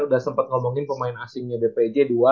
udah sempat ngomongin pemain asingnya bpj dua